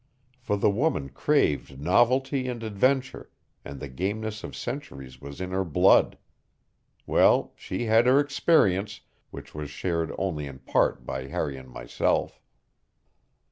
For the woman craved novelty and adventure, and the gameness of centuries was in her blood well, she had her experience, which was shared only in part by Harry and myself.